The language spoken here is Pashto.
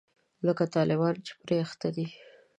لکه طالبان چې پرې اخته دي.